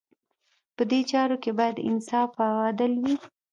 په دې چارو کې باید انصاف او عدل وي.